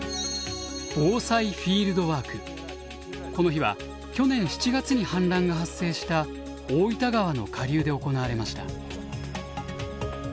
この日は去年７月に氾濫が発生した大分川の下流で行われました。